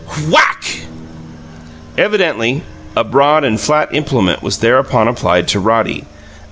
Whack! Evidently a broad and flat implement was thereupon applied to Roddy.